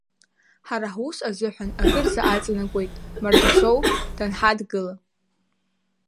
Ҳара ҳус азыҳәан акырӡа аҵанакуеит Мардасоу данҳадгыла.